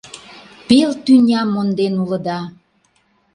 Пел тӱням монден улыда!